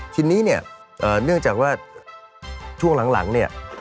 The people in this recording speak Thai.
ทีนี้เนี่ยเนื่องจากว่าช่วงหลังเนี่ย